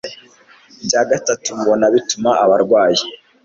bya gatatu mubona bituma abarwayi